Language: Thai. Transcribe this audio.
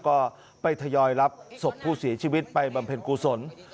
ก็ไปทยอยรับศพผู้เสียชีวิตไปบำเพ็ญกุศล